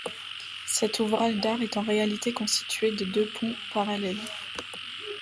Cet ouvrage d'art est en réalité constitué de deux ponts parallèles.